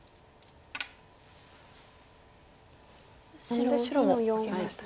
なので白も受けましたね。